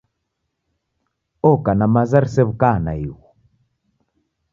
Oka na maza risew'uka naighu.